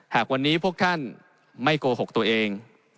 หากวันนี้พวกท่านไม่โกหกตัวเอง